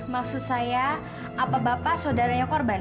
maksud saya apa bapak saudaranya korban